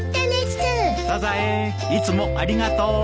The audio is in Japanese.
サザエいつもありがとう。